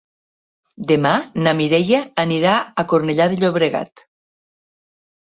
Demà na Mireia anirà a Cornellà de Llobregat.